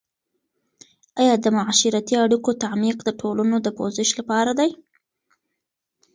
آیا د معاشرتي اړیکو تعمیق د ټولنو د پوزش لپاره دی؟